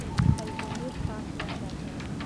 خپل ضمیر پاک وساتئ.